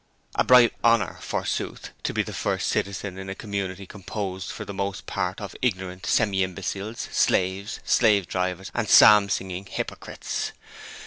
A bright 'honour', forsooth! to be the first citizen in a community composed for the most part of ignorant semi imbeciles, slaves, slave drivers and psalm singing hypocrites.